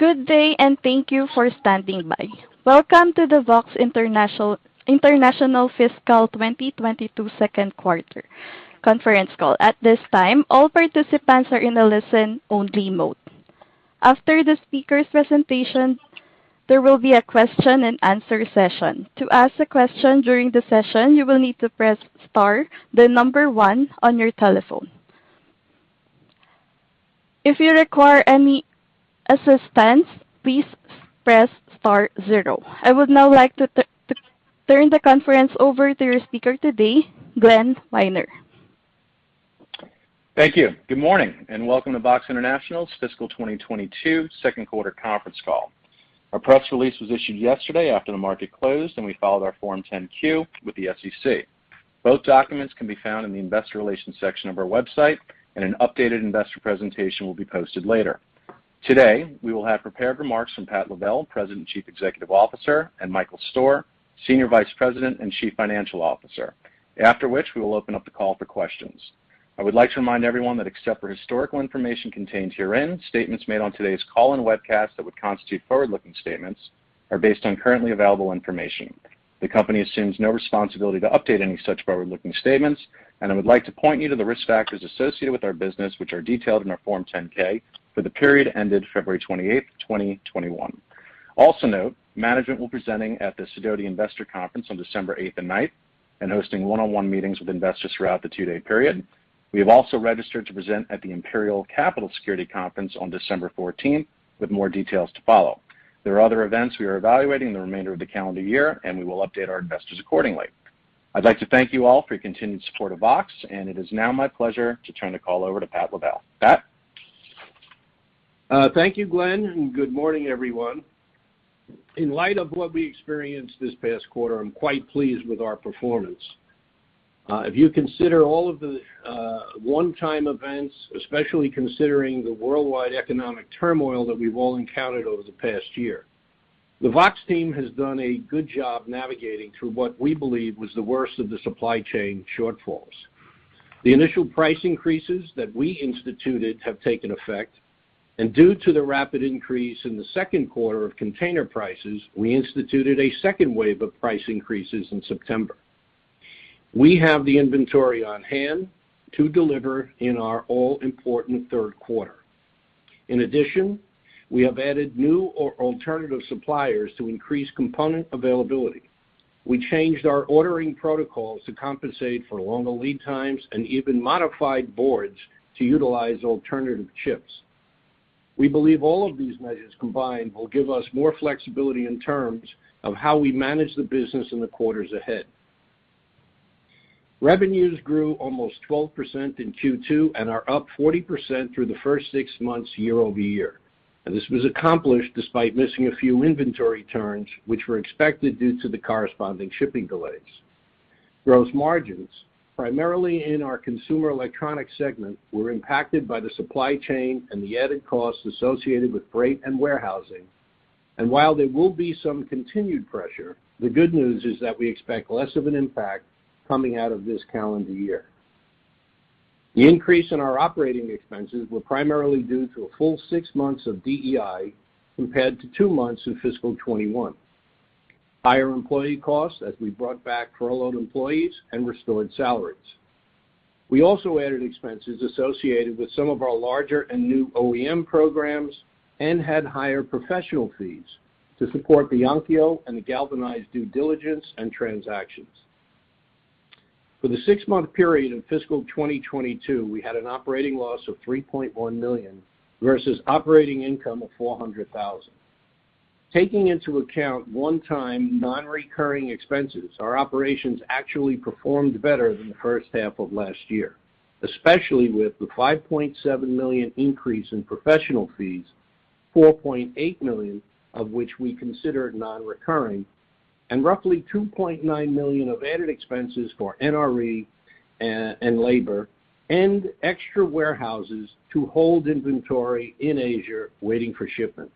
Good day, and thank you for standing by. Welcome to the VOXX International Fiscal 2022 Second Quarter Conference Call. At this time, all participants are in a listen-only mode. After the speakers' presentation, there will be a question-and-answer session. To ask a question during the session, you will need to press star then number one on your telephone. If you require any assistance, please press star zero. I would now like to turn the conference over to your speaker today, Glenn Wiener. Thank you. Good morning, and welcome to VOXX International's Fiscal 2022 Second Quarter Conference Call. Our press release was issued yesterday after the market closed, and we filed our Form 10-Q with the SEC. Both documents can be found in the investor relations section of our website, and an updated investor presentation will be posted later. Today, we will have prepared remarks from Patrick Lavelle, President and Chief Executive Officer, and Charles Michael Stoehr, Senior Vice President and Chief Financial Officer, after which we will open up the call for questions. I would like to remind everyone that except for historical information contained herein, statements made on today's call and webcast that would constitute forward-looking statements are based on currently available information. The company assumes no responsibility to update any such forward-looking statements, and I would like to point you to the risk factors associated with our business, which are detailed in our Form 10-K for the period ended February 28, 2021. Also note, management will be presenting at the Sidoti Investor Conference on December 8 and 9, and hosting one-on-one meetings with investors throughout the two-day period. We have also registered to present at the Imperial Capital Security Conference on December 14th, with more details to follow. There are other events we are evaluating in the remainder of the calendar year, and we will update our investors accordingly. I'd like to thank you all for your continued support of VOXX, and it is now my pleasure to turn the call over to Pat Lavelle. Pat? Thank you, Glenn, and good morning, everyone. In light of what we experienced this past quarter, I'm quite pleased with our performance. If you consider all of the one-time events, especially considering the worldwide economic turmoil that we've all encountered over the past year, the VOXX team has done a good job navigating through what we believe was the worst of the supply chain shortfalls. The initial price increases that we instituted have taken effect. Due to the rapid increase in the second quarter of container prices, we instituted a second wave of price increases in September. We have the inventory on hand to deliver in our all-important third quarter. In addition, we have added new or alternative suppliers to increase component availability. We changed our ordering protocols to compensate for longer lead times and even modified boards to utilize alternative chips. We believe all of these measures combined will give us more flexibility in terms of how we manage the business in the quarters ahead. Revenues grew almost 12% in Q2 and are up 40% through the first six months year-over-year. This was accomplished despite missing a few inventory turns, which were expected due to the corresponding shipping delays. Gross margins, primarily in our consumer electronics segment, were impacted by the supply chain and the added costs associated with freight and warehousing. While there will be some continued pressure, the good news is that we expect less of an impact coming out of this calendar year. The increase in our operating expenses were primarily due to a full six months of DEI compared to two months in fiscal 2021, and higher employee costs as we brought back furloughed employees and restored salaries. We also added expenses associated with some of our larger and new OEM programs and had higher professional fees to support the Onkyo and the GalvanEyes due diligence and transactions. For the six-month period in fiscal 2022, we had an operating loss of $3.1 million versus operating income of $400,000. Taking into account one-time non-recurring expenses, our operations actually performed better than the first half of last year, especially with the $5.7 million increase in professional fees, $4.8 million of which we considered non-recurring, and roughly $2.9 million of added expenses for NRE and labor and extra warehouses to hold inventory in Asia waiting for shipment.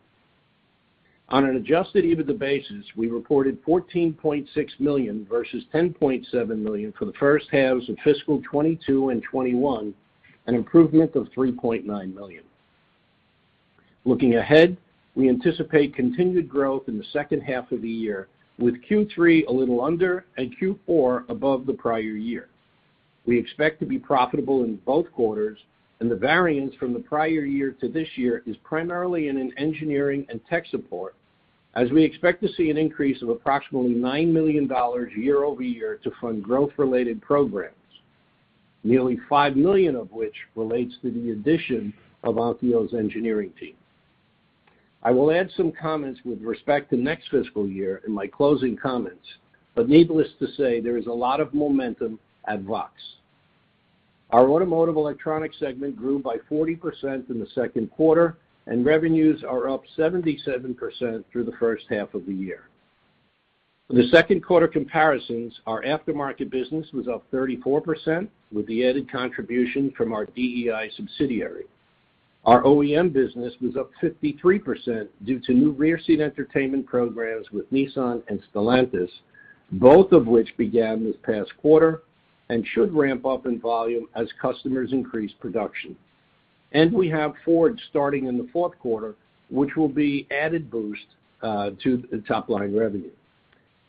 On an adjusted EBITDA basis, we reported $14.6 million versus $10.7 million for the first halves of fiscal 2022 and 2021, an improvement of $3.9 million. Looking ahead, we anticipate continued growth in the second half of the year, with Q3 a little under and Q4 above the prior year. We expect to be profitable in both quarters, and the variance from the prior year to this year is primarily in engineering and tech support, as we expect to see an increase of approximately $9 million year-over-year to fund growth-related programs, nearly $5 million of which relates to the addition of Onkyo's engineering team. I will add some comments with respect to next fiscal year in my closing comments, but needless to say, there is a lot of momentum at VOXX. Our automotive electronic segment grew by 40% in the second quarter, and revenues are up 77% through the first half of the year. For the second quarter comparisons, our aftermarket business was up 34% with the added contribution from our DEI subsidiary. Our OEM business was up 53% due to new rear seat entertainment programs with Nissan and Stellantis, both of which began this past quarter. Should ramp up in volume as customers increase production. We have Ford starting in the fourth quarter, which will be added boost to the top-line revenue.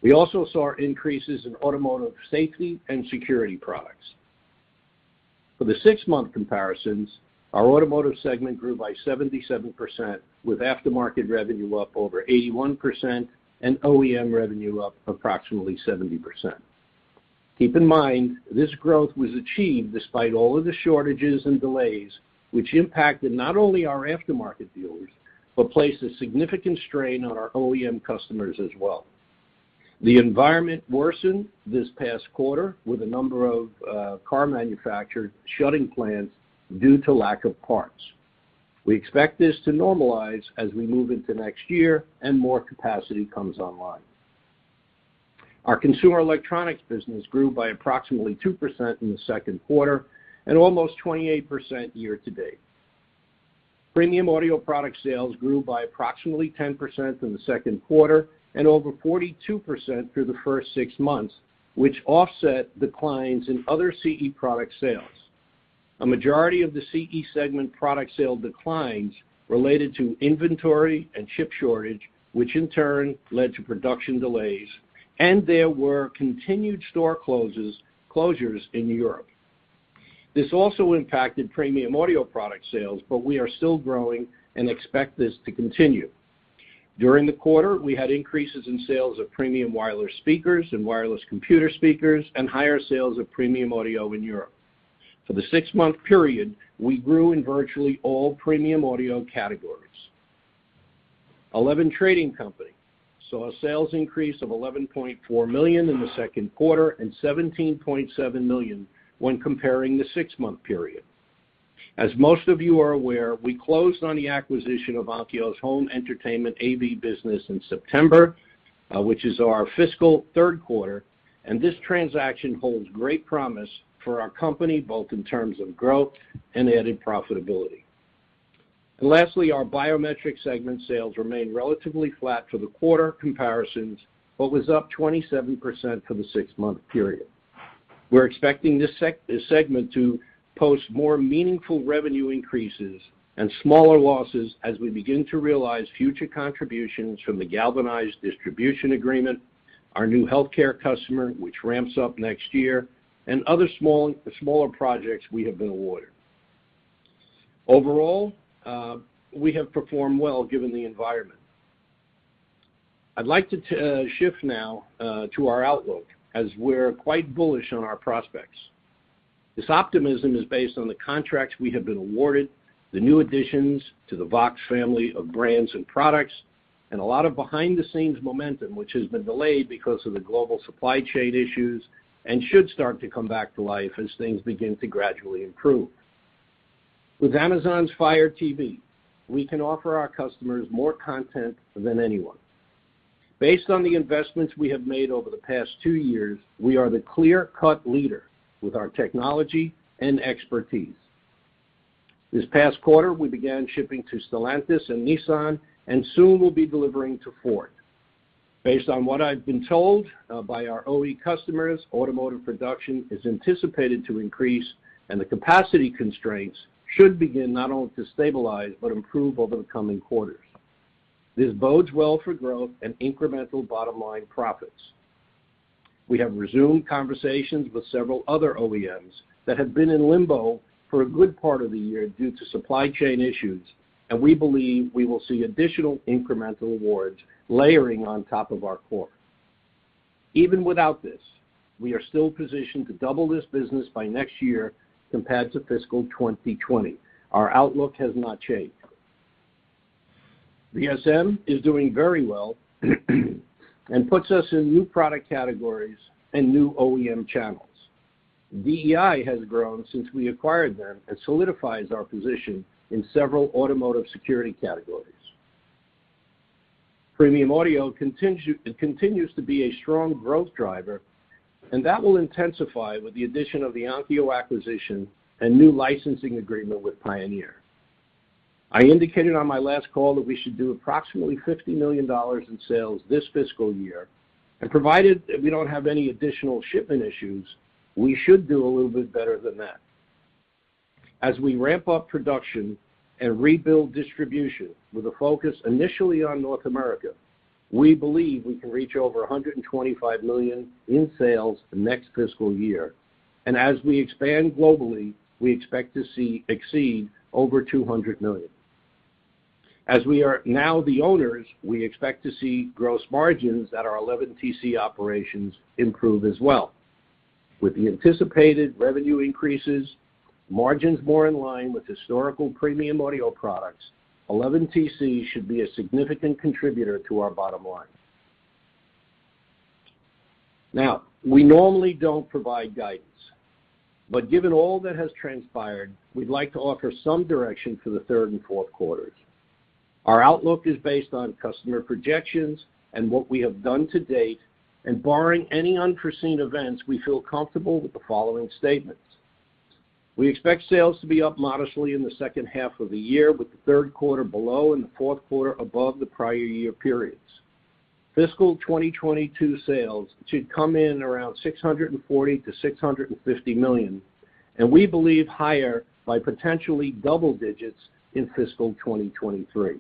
We also saw increases in automotive safety and security products. For the six-month comparisons, our automotive segment grew by 77%, with aftermarket revenue up over 81% and OEM revenue up approximately 70%. Keep in mind, this growth was achieved despite all of the shortages and delays, which impacted not only our aftermarket dealers, but placed a significant strain on our OEM customers as well. The environment worsened this past quarter with a number of car manufacturers shutting plants due to lack of parts. We expect this to normalize as we move into next year and more capacity comes online. Our consumer electronics business grew by approximately 2% in the second quarter and almost 28% year-to-date. Premium audio product sales grew by approximately 10% in the second quarter and over 42% through the first six months, which offset declines in other CE product sales. A majority of the CE segment product sale declines related to inventory and chip shortage, which in turn led to production delays, and there were continued store closures in Europe. This also impacted premium audio product sales, but we are still growing and expect this to continue. During the quarter, we had increases in sales of premium wireless speakers and wireless computer speakers and higher sales of premium audio in Europe. For the six-month period, we grew in virtually all premium audio categories. 11 Trading Company saw a sales increase of $11.4 million in the second quarter and $17.7 million when comparing the six-month period. As most of you are aware, we closed on the acquisition of Onkyo's Home Entertainment AV business in September, which is our fiscal third quarter, and this transaction holds great promise for our company, both in terms of growth and added profitability. Lastly, our biometric segment sales remained relatively flat for the quarter comparisons, but was up 27% for the six-month period. We're expecting this segment to post more meaningful revenue increases and smaller losses as we begin to realize future contributions from the GalvanEyes distribution agreement, our new healthcare customer, which ramps up next year, and other smaller projects we have been awarded. Overall, we have performed well given the environment. I'd like to shift now to our outlook, as we're quite bullish on our prospects. This optimism is based on the contracts we have been awarded, the new additions to the VOXX family of brands and products, and a lot of behind-the-scenes momentum, which has been delayed because of the global supply chain issues and should start to come back to life as things begin to gradually improve. With Amazon's Fire TV, we can offer our customers more content than anyone. Based on the investments we have made over the past two years, we are the clear-cut leader with our technology and expertise. This past quarter, we began shipping to Stellantis and Nissan and soon will be delivering to Ford. Based on what I've been told by our OEM customers, automotive production is anticipated to increase, and the capacity constraints should begin not only to stabilize but improve over the coming quarters. This bodes well for growth and incremental bottom-line profits. We have resumed conversations with several other OEMs that have been in limbo for a good part of the year due to supply chain issues, and we believe we will see additional incremental awards layering on top of our core. Even without this, we are still positioned to double this business by next year compared to fiscal 2020. Our outlook has not changed. VSM is doing very well and puts us in new product categories and new OEM channels. DEI has grown since we acquired them and solidifies our position in several automotive security categories. Premium audio continues to be a strong growth driver, and that will intensify with the addition of the Onkyo acquisition and new licensing agreement with Pioneer. I indicated on my last call that we should do approximately $50 million in sales this fiscal year. Provided that we don't have any additional shipping issues, we should do a little bit better than that. As we ramp up production and rebuild distribution with a focus initially on North America, we believe we can reach over $125 million in sales the next fiscal year. As we expand globally, we expect to exceed over $200 million. As we are now the owners, we expect to see gross margins at our 11TC operations improve as well. With the anticipated revenue increases, margins more in line with historical premium audio products, 11TC should be a significant contributor to our bottom line. Now, we normally don't provide guidance, but given all that has transpired, we'd like to offer some direction for the third and fourth quarters. Our outlook is based on customer projections and what we have done to date, and barring any unforeseen events, we feel comfortable with the following statements. We expect sales to be up modestly in the second half of the year, with the third quarter below and the fourth quarter above the prior year periods. Fiscal 2022 sales should come in around $640 million-$650 million, and we believe higher by potentially double digits in fiscal 2023.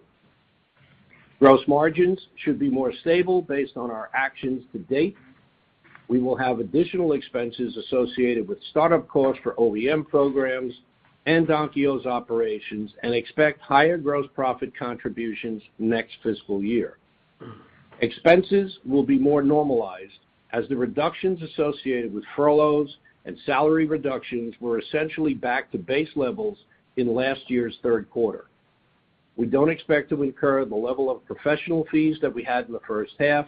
Gross margins should be more stable based on our actions to date. We will have additional expenses associated with start-up costs for OEM programs and Onkyo's operations and expect higher gross profit contributions next fiscal year. Expenses will be more normalized as the reductions associated with furloughs and salary reductions were essentially back to base levels in last year's third quarter. We don't expect to incur the level of professional fees that we had in the first half,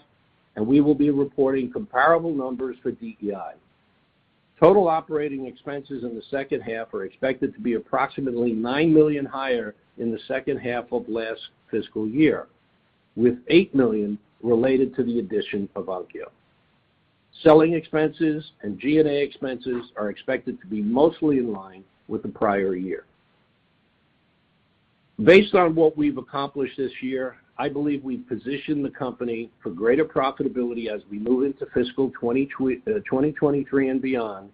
and we will be reporting comparable numbers for DEI. Total operating expenses in the second half are expected to be approximately $9 million higher in the second half of last fiscal year, with $8 million related to the addition of Onkyo. Selling expenses and G&A expenses are expected to be mostly in line with the prior year. Based on what we've accomplished this year, I believe we've positioned the company for greater profitability as we move into fiscal 2023 and beyond,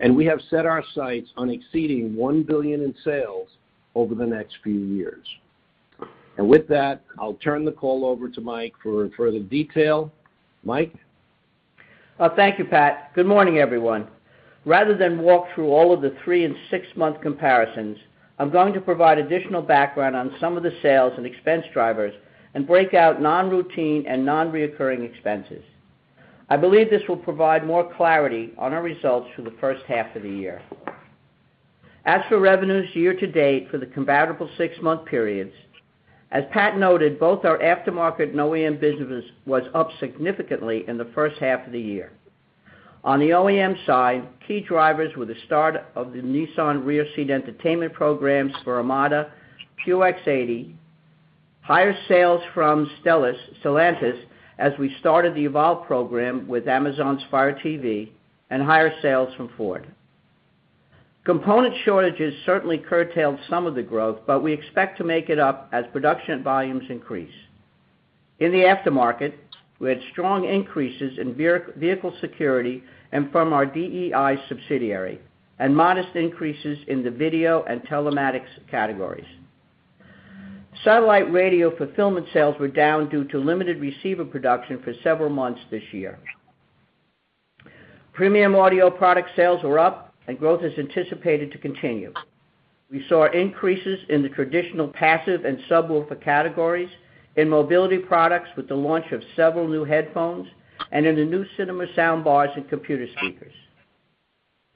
and we have set our sights on exceeding $1 billion in sales over the next few years. With that, I'll turn the call over to Mike for further detail. Mike? Thank you, Pat. Good morning, everyone. Rather than walk through all of the three and six-month comparisons, I'm going to provide additional background on some of the sales and expense drivers and break out non-routine and non-reoccurring expenses. I believe this will provide more clarity on our results for the first half of the year. As for revenues year-to-date for the compatible six-month periods, as Pat noted, both our aftermarket and OEM business was up significantly in the first half of the year. On the OEM side, key drivers were the start of the Nissan rear seat entertainment programs for Armada, QX80, higher sales from Stellantis as we started the EVOLVE program with Amazon's Fire TV, and higher sales from Ford. Component shortages certainly curtailed some of the growth, but we expect to make it up as production volumes increase. In the aftermarket, we had strong increases in vehicle security and from our DEI subsidiary, and modest increases in the video and telematics categories. Satellite radio fulfillment sales were down due to limited receiver production for several months this year. Premium audio product sales were up and growth is anticipated to continue. We saw increases in the traditional passive and subwoofer categories, in mobility products with the launch of several new headphones, and in the new cinema sound bars and computer speakers.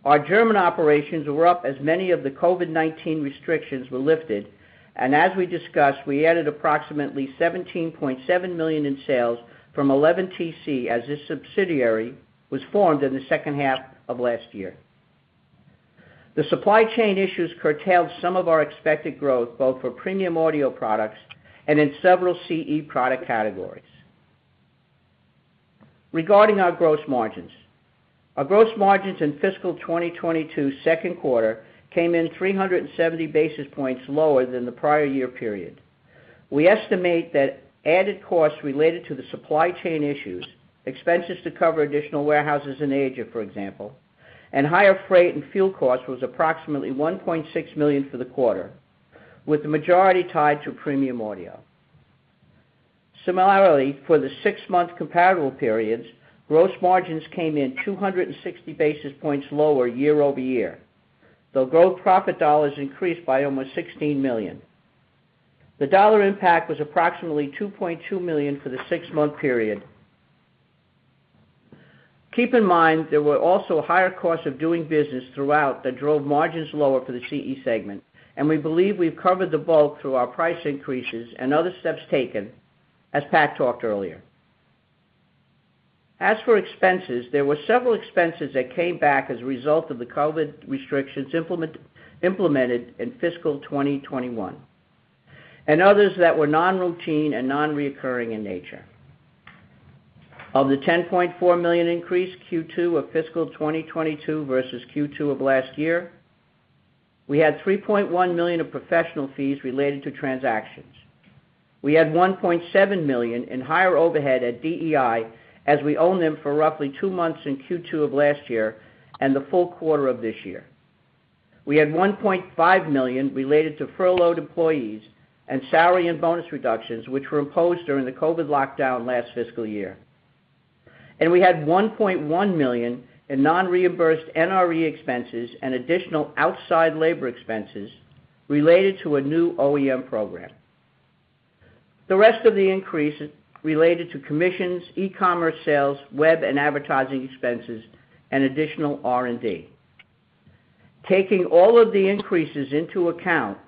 Our German operations were up as many of the COVID-19 restrictions were lifted, and as we discussed, we added approximately $17.7 million in sales from 11TC as this subsidiary was formed in the second half of last year. The supply chain issues curtailed some of our expected growth, both for premium audio products and in several CE product categories. Regarding our gross margins. Our gross margins in fiscal 2022's second quarter came in 370 basis points lower than the prior year period. We estimate that added costs related to the supply chain issues, expenses to cover additional warehouses in Asia, for example, and higher freight and fuel costs was approximately $1.6 million for the quarter, with the majority tied to premium audio. Similarly, for the six-month comparable periods, gross margins came in 260 basis points lower year-over-year, though gross profit dollars increased by almost $16 million. The dollar impact was approximately $2.2 million for the six-month period. Keep in mind, there were also higher costs of doing business throughout that drove margins lower for the CE segment, and we believe we've covered the bulk through our price increases and other steps taken as Pat talked earlier. As for expenses, there were several expenses that came back as a result of the COVID-19 restrictions implemented in fiscal 2021, and others that were non-routine and non-reoccurring in nature. Of the $10.4 million increase Q2 of fiscal 2022 versus Q2 of last year, we had $3.1 million of professional fees related to transactions. We had $1.7 million in higher overhead at DEI, as we owned them for roughly two months in Q2 of last year and the full quarter of this year. We had $1.5 million related to furloughed employees and salary and bonus reductions, which were imposed during the COVID-19 lockdown last fiscal year. We had $1.1 million in non-reimbursed NRE expenses and additional outside labor expenses related to a new OEM program. The rest of the increase related to commissions, e-commerce sales, web and advertising expenses, and additional R&D. Taking all of the increases into account,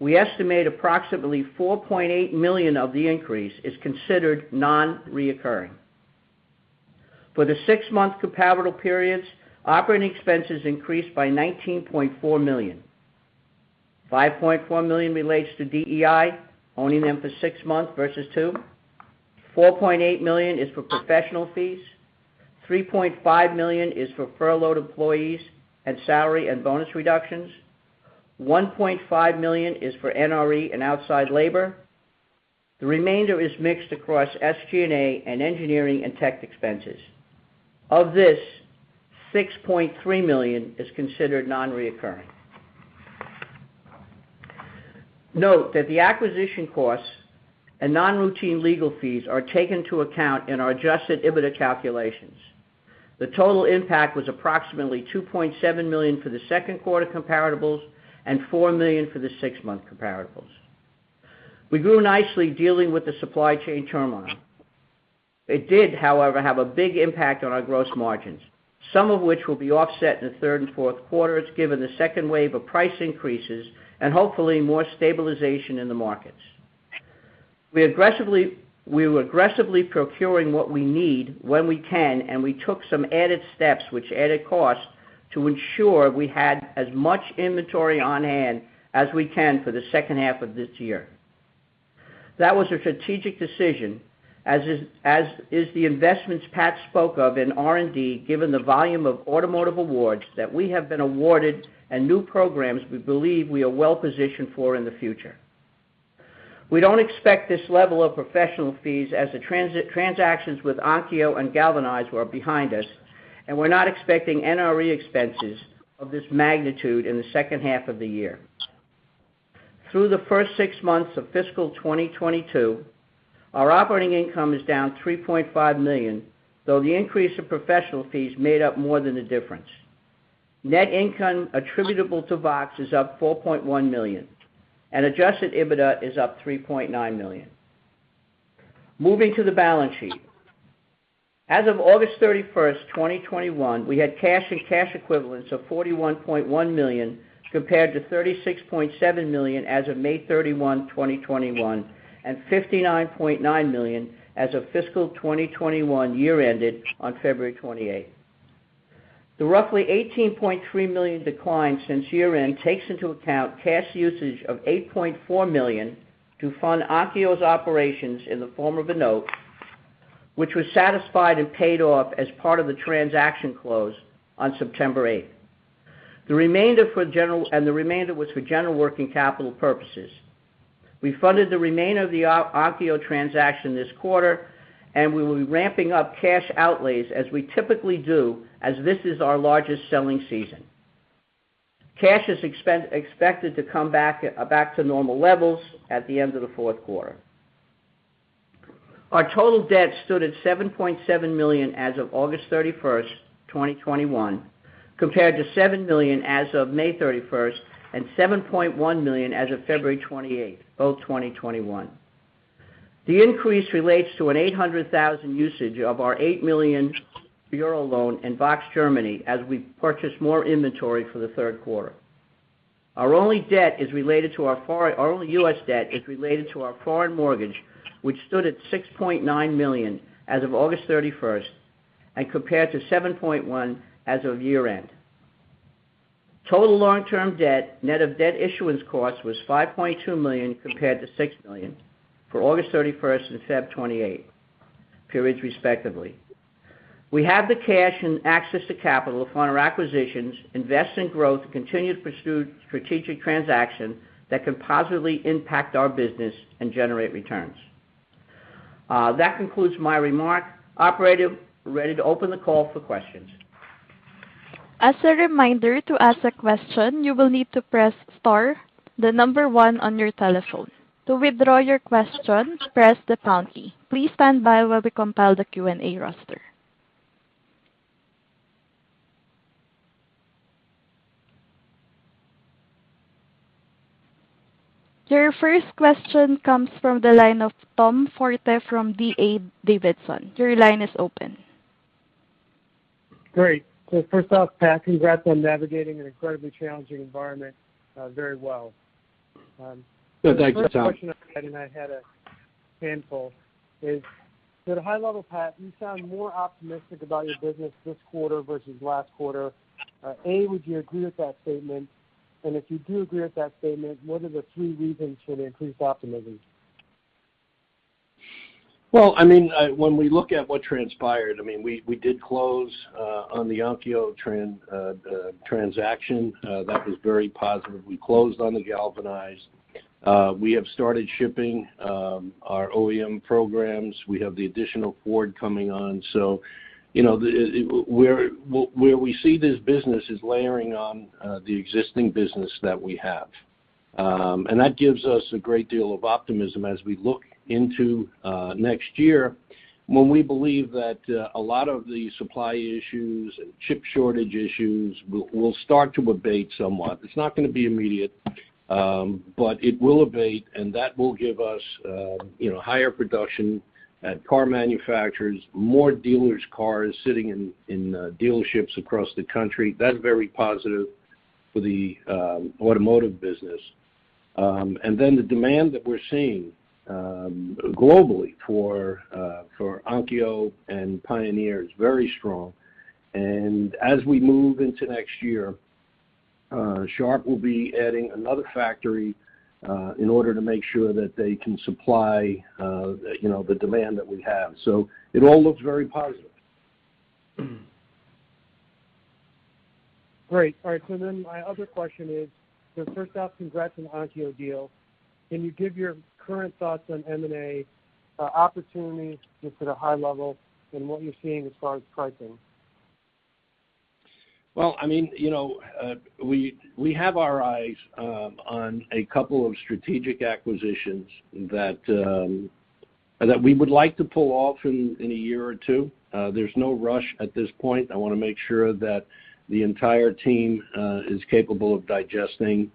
we estimate approximately $4.8 million of the increase is considered non-recurring. For the six-month comparable periods, operating expenses increased by $19.4 million. $5.4 million relates to DEI, owning them for six months versus two. $4.8 million is for professional fees. $3.5 million is for furloughed employees and salary and bonus reductions. $1.5 million is for NRE and outside labor. The remainder is mixed across SG&A and engineering and tech expenses. Of this, $6.3 million is considered non-recurring. Note that the acquisition costs and non-routine legal fees are taken to account in our adjusted EBITDA calculations. The total impact was approximately $2.7 million for the second quarter comparables and $4 million for the six-month comparables. We grew nicely dealing with the supply chain turmoil. It did, however, have a big impact on our gross margins, some of which will be offset in the third and fourth quarters, given the second wave of price increases and hopefully more stabilization in the markets. We were aggressively procuring what we need when we can, and we took some added steps, which added cost, to ensure we had as much inventory on hand as we can for the second half of this year. That was a strategic decision, as is the investments Pat spoke of in R&D, given the volume of automotive awards that we have been awarded and new programs we believe we are well-positioned for in the future. We don't expect this level of professional fees as the transactions with Onkyo and GalvanEyes were behind us, and we're not expecting NRE expenses of this magnitude in the second half of the year. Through the first six months of fiscal 2022, our operating income is down $3.5 million, though the increase in professional fees made up more than the difference. Net income attributable to VOXX is up $4.1 million, and adjusted EBITDA is up $3.9 million. Moving to the balance sheet. As of August 31st, 2021, we had cash and cash equivalents of $41.1 million, compared to $36.7 million as of May 31, 2021, and $59.9 million as of fiscal 2021 year ended on February 28 2021. The roughly $18.3 million decline since year end takes into account cash usage of $8.4 million to fund Onkyo's operations in the form of a note, which was satisfied and paid off as part of the transaction close on September 8th. The remainder was for general working capital purposes. We funded the remainder of the Onkyo transaction this quarter. We will be ramping up cash outlays as we typically do as this is our largest selling season. Cash is expected to come back to normal levels at the end of the fourth quarter. Our total debt stood at $7.7 million as of August 31st, 2021, compared to $7 million as of May 31st and $7.1 million as of February 28, both 2021. The increase relates to an $800,000 usage of our $8 million revolver loan in VOXX Germany as we purchased more inventory for the third quarter. Our only U.S. debt is related to our foreign mortgage, which stood at $6.9 million as of August 31st and compared to $7.1 million as of year end. Total long-term debt, net of debt issuance costs, was $5.2 million compared to $6 million for August 31st and February 28, periods respectively. We have the cash and access to capital to fund our acquisitions, invest in growth, and continue to pursue strategic transactions that can positively impact our business and generate returns. That concludes my remarks. Operator, we are ready to open the call for questions. As a reminder, to ask a question, you will need to press star, then number one on your telephone. To withdraw your question, press the pound key. Please stand by while we compile the Q&A roster. Your first question comes from the line of Tom Forte from D.A. Davidson. Your line is open. Great. First off, Pat, congrats on navigating an incredibly challenging environment very well. Thanks Tom. The first question I had, and I had a handful, is at a high level, Pat, you sound more optimistic about your business this quarter versus last quarter. A, would you agree with that statement? If you do agree with that statement, what are the three reasons for the increased optimism? When we look at what transpired, we did close on the Onkyo transaction. That was very positive. We closed on the GalvanEyes. We have started shipping our OEM programs. We have the additional Ford coming on. Where we see this business is layering on the existing business that we have. That gives us a great deal of optimism as we look into next year when we believe that a lot of the supply issues and chip shortage issues will start to abate somewhat. It's not going to be immediate, but it will abate, and that will give us higher production at car manufacturers, more dealers' cars sitting in dealerships across the country. That's very positive for the automotive business. The demand that we're seeing globally for Onkyo and Pioneer is very strong. As we move into next year, Sharp will be adding another factory in order to make sure that they can supply the demand that we have. It all looks very positive. Great. All right. My other question is, first off, congrats on the Onkyo deal. Can you give your current thoughts on M&A opportunities, just at a high level, and what you're seeing as far as pricing? We have our eyes on a couple strategic acquisitions that we would like to pull off in a year or two. There's no rush at this point. I want to make sure that the entire team is capable of digesting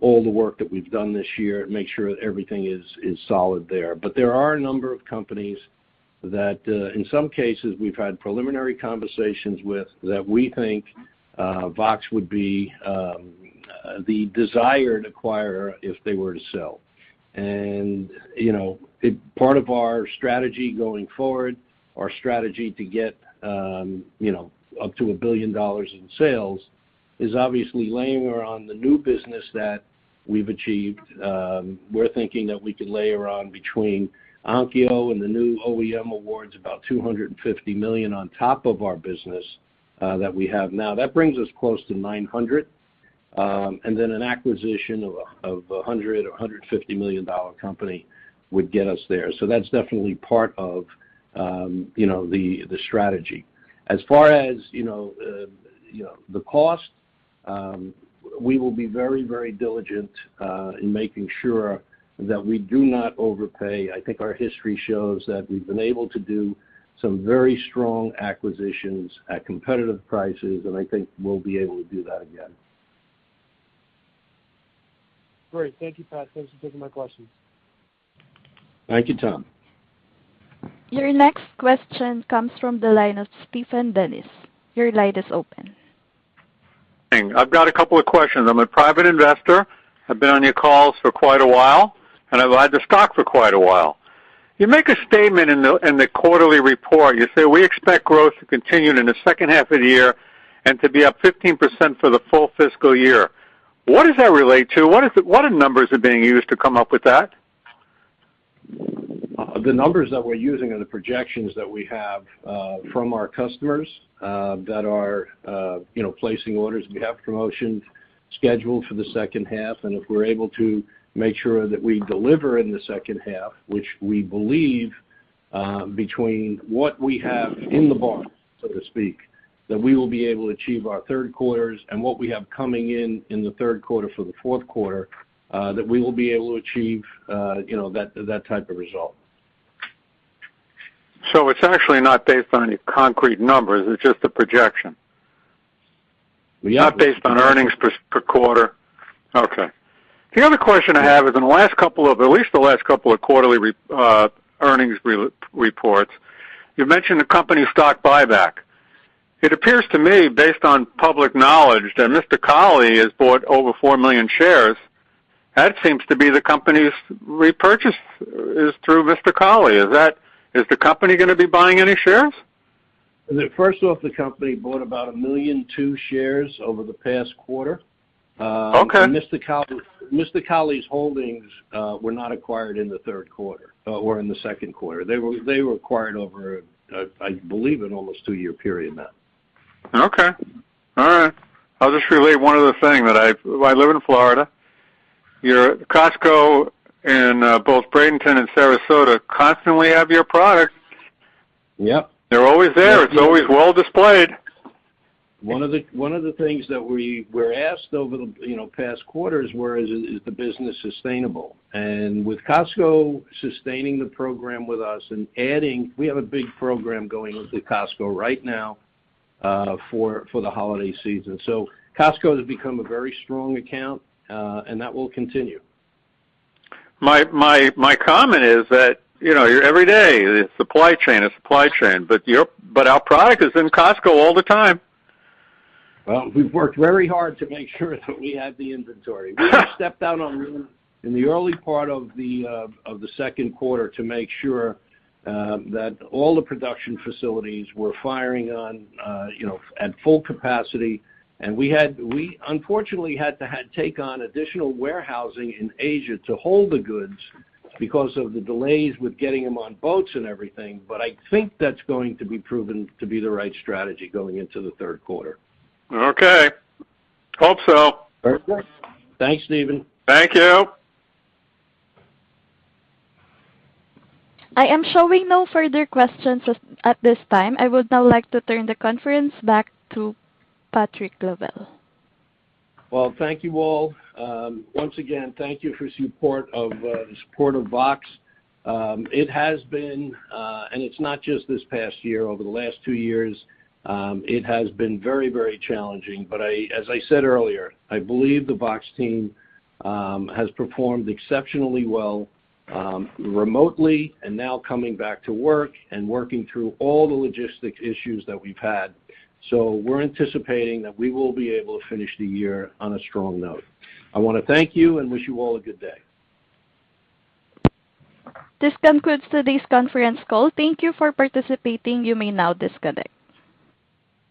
all the work that we've done this year and make sure that everything is solid there. There are a number of companies that, in some cases, we've had preliminary conversations with, that we think VOXX would be the desired acquirer if they were to sell. Part of our strategy going forward, our strategy to get up to $1 billion in sales, is obviously layering on the new business that we've achieved. We're thinking that we can layer on between Onkyo and the new OEM awards, about $250 million on top of our business that we have now. That brings us close to $900 million. An acquisition of $100 million or $150 million company would get us there. That's definitely part of the strategy. As far as the cost, we will be very diligent in making sure that we do not overpay. I think our history shows that we've been able to do some very strong acquisitions at competitive prices, and I think we'll be able to do that again. Great. Thank you, Pat. Thanks for taking my questions. Thank you, Tom. Your next question comes from the line of Steven Dennis. Your line is open. I've got a couple of questions. I'm a private investor. I've been on your calls for quite a while, and I've liked the stock for quite a while. You make a statement in the quarterly report, you say, "We expect growth to continue in the second half of the year and to be up 15% for the full fiscal year." What does that relate to? What numbers are being used to come up with that? The numbers that we're using are the projections that we have from our customers that are placing orders. We have promotions scheduled for the second half, and if we're able to make sure that we deliver in the second half, which we believe, between what we have in the barn, so to speak, that we will be able to achieve our third quarters and what we have coming in in the third quarter for the fourth quarter, that we will be able to achieve that type of result. It's actually not based on any concrete numbers, it's just a projection? Not based on earnings per quarter. Okay. The other question I have is in at least the last couple of quarterly earnings reports, you've mentioned the company stock buyback. It appears to me, based on public knowledge, that Mr. Kahli has bought over 4 million shares. That seems to be the company's repurchase is through Mr. Kahli. Is the company going to be buying any shares? The company bought about 1.2 million shares over the past quarter. Okay. Mr. Kahli's holdings were not acquired in the third quarter or in the second quarter. They were acquired over, I believe, an almost two-year period then. Okay. All right. I'll just relate one other thing, that I live in Florida. Your Costco in both Bradenton and Sarasota constantly have your product. Yep. They're always there. It's always well displayed. One of the things that we were asked over the past quarter is, "Is the business sustainable?" With Costco sustaining the program with us and adding, we have a big program going with Costco right now for the holiday season. Costco has become a very strong account, and that will continue. My comment is that, every day, it's supply chain, but our product is in Costco all the time. Well, we've worked very hard to make sure that we have the inventory. We stepped out in the early part of the second quarter to make sure that all the production facilities were firing on at full capacity, and we unfortunately had to take on additional warehousing in Asia to hold the goods because of the delays with getting them on boats and everything. I think that's going to be proven to be the right strategy going into the third quarter. Okay. Hope so. Perfect. Thanks, Steven. Thank you. I am showing no further questions at this time. I would now like to turn the conference back to Patrick Lavelle. Well, thank you all. Once again, thank you for support of VOXX. It has been, and it's not just this past year, over the last two years, it has been very challenging, but as I said earlier, I believe the VOXX team has performed exceptionally well remotely and now coming back to work and working through all the logistics issues that we've had. We're anticipating that we will be able to finish the year on a strong note. I want to thank you and wish you all a good day. This concludes today's conference call. Thank you for participating. You may now disconnect.